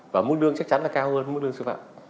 và mức đương chắc chắn là cao hơn mức đương sư phạm